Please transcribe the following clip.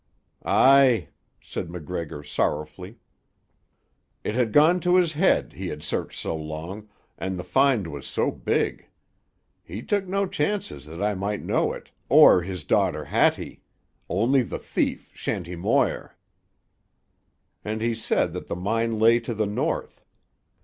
"Aye," said MacGregor sorrowfully. "It had gone to his head, he had searched so long, and the find was so big. He took no chances that I might know it, or his daughter Hattie; only the thief, Shanty Moir." And he said that the mine lay to the north.